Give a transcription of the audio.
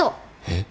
えっ？